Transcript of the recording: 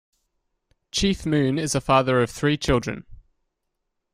Chief-Moon is a father of three children.